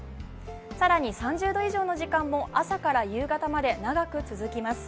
更に３０度以上の時間も朝から夕方まで長く続きます。